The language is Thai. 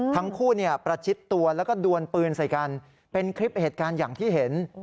ทั้งคู่ประชิดตัวแล้วก็ดวนปืนใส่กันเป็นคลิปเหตุการณ์อย่างที่เห็น